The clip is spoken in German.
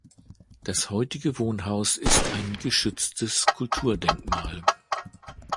Das heutige Wohnhaus ist ein geschütztes Kulturdenkmal.